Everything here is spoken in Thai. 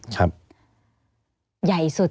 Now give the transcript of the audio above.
ย่ายสุด